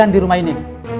sembilan di rumah ini